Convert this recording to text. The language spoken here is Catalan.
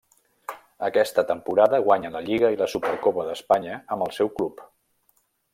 Aquesta temporada guanya la lliga i la Supercopa d'Espanya amb el seu club.